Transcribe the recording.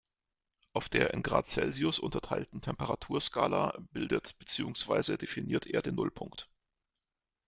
Auf der in Grad Celsius unterteilten Temperaturskala bildet beziehungsweise definiert er den Nullpunkt.